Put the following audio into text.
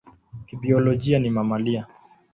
Kibiolojia ni mamalia.